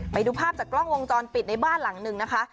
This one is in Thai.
ไปดูภาพจากกล้องวงจรปิดในบ้านหลังหนึ่งนะคะ